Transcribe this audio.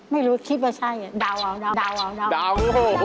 ขอตอบครับข้อหนึ่งครับ